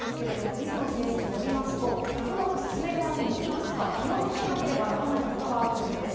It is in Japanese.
水野先生によると、うまく進めるためにいくつか気をつけなければならないことがあるといいます。